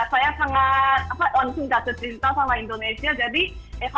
saya belajar tentang indonesia dan pergi ke indonesia